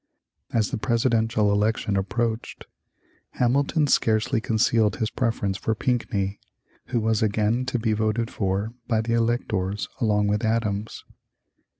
As the presidential election approached, Hamilton scarcely concealed his preference for Pinckney, who was again to be voted for by the electors along with Adams.